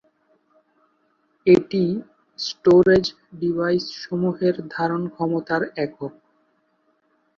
এটি storage device সমূহের ধারণ ক্ষমতার একক।